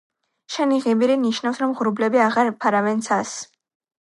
შენი ღიმილი ნიშნავს რომ ღრუბლები აღარ ფარავენ ცას